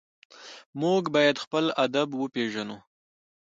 موږ باید خپل ادب وپېژنو.